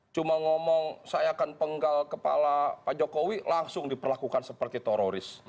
cuma ngomong saya akan penggal kepala pak jokowi langsung diperlakukan seperti teroris